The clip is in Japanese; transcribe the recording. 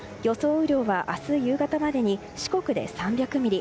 雨量は、明日夕方までに四国で３００ミリ